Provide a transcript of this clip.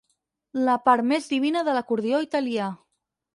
La part més divina de l'acordió italià.